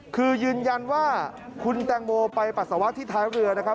คือยืนยันว่าคุณแตงโมไปปัสสาวะที่ท้ายเรือนะครับ